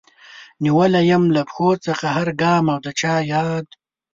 نيولی يم له پښو څخه هر ګام او د چا ياد